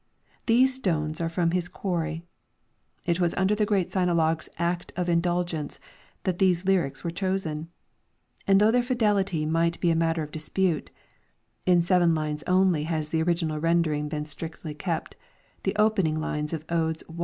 "" These stones are from his quarry ; it was under the great Sinologue"'s Act of Indulgence that these lyrics were chosen. And though their fidelity might be matter of dispute (in seven lines only has the original rendering been strictly kept, the opening line of Odes i.